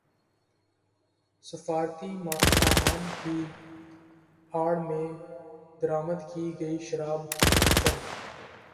سفارتی سامان کی اڑ میں درامد کی گئی شراب ضبط